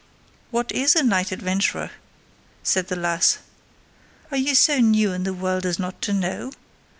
"What is a knight adventurer?" said the lass. "Are you so new in the world as not to know?"